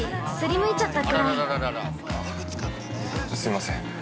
◆すいません。